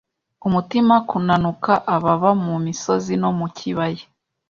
umutima kunanuka Ababa mu misozi no mu kibaya;